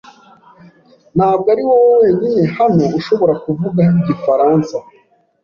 Ntabwo ari wowe wenyine hano ushobora kuvuga igifaransa